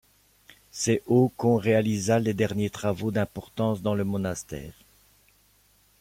C'est au qu'on réalisa les derniers travaux d'importance dans le monastère.